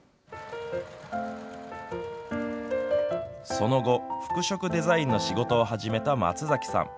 その後、服飾デザインの仕事を始めた松崎さん。